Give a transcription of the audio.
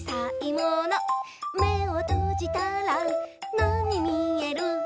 「めをとじたらなにみえる？」